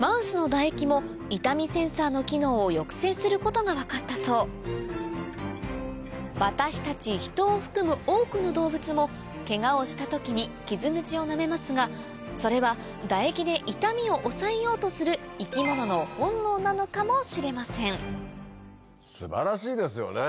蚊だけでなくすることが分かったそう私たちヒトを含む多くの動物もけがをした時に傷口をなめますがそれは唾液で痛みを抑えようとする生き物の本能なのかもしれません素晴らしいですよね。